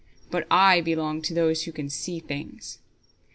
But I belong to those who can see things."